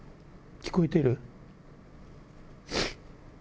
聞こえてる？